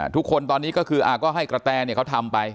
ทุกคนตอนนี้ก็คือก็ให้กระแตเขาทำไป